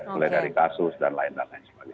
mulai dari kasus dan lain lain sebagainya